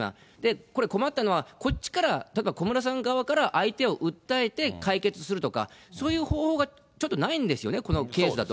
これ困ったのは、小室さん側から、相手を訴えて、解決するとか、そういう方法がちょっと、ないんですよね、このケースだと。